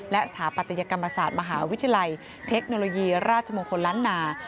และสถาปัตยกรรมศาสตร์มหาวิทยาลัยเทคโนโลยีราชมงคลล้านนา